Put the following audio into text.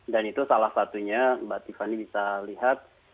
itu salah satunya mbak tiffany bisa lihat